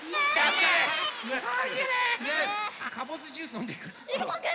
あっかぼすジュースのんでくる。